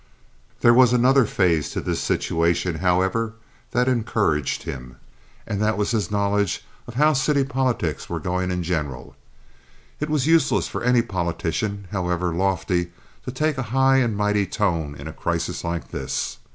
There was another phase to this situation, however, that encouraged him, and that was his knowledge of how city politics were going in general. It was useless for any politician, however loftly, to take a high and mighty tone in a crisis like this.